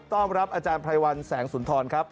ต้อนรับอาจารย์ไพรวัลแสงสุนทรครับ